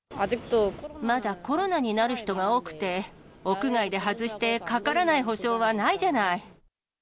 まだコロナになる人が多くて、屋外で外してかからない保証はないじゃない。